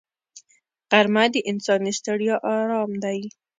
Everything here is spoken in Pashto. غرمه د انساني ستړیا آرام دی